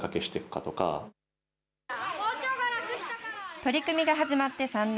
取り組みが始まって３年。